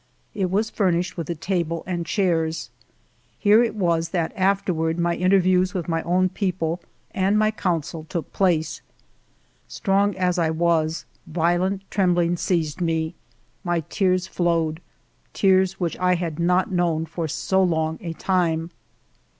It was furnished with a table and chairs. Here it was that afterward my in terviews with my own people and my counsel took place. Strong as I was, violent trembling seized me, my tears flowed, — tears which I had not known for so long a time.